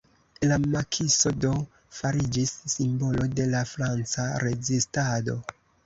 La Makiso do, fariĝis simbolo de la Franca rezistado.